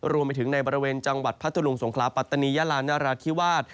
รวมไปถึงในบริเวณจังหวัดพัทธรุงสงขลาปัตตานียาลานราธิวาส